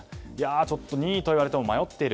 ちょっと任意といわれても迷っている。